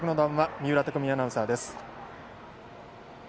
三浦拓実アナウンサーです。